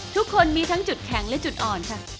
ทุกคนมีทั้งจุดแข็งและจุดอ่อนค่ะ